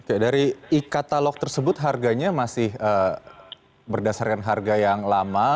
oke dari e katalog tersebut harganya masih berdasarkan harga yang lama